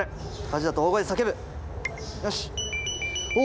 よし！